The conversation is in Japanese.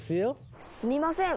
すみません